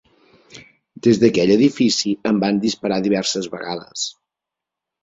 Des d'aquell edifici em van disparar diverses vegades.